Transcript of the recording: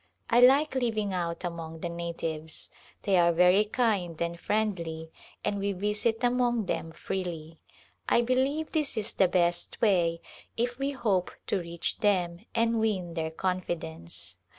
I like living out among the natives. They are very kind and friendly and we visit among them freely. I believe this is the best way if we hope to reach them and win their confidence.